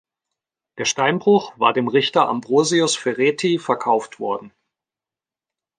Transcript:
Der Steinbruch war dem Richter Ambrosius Ferrethi verkauft worden.